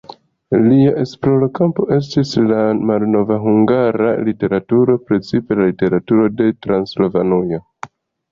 Lia esplorkampo estis la malnova hungara literaturo, precipe la literaturo de Transilvanujo.